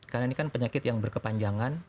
karena ini kan penyakit yang berkepanjangan